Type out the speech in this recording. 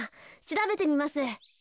しらべてみます。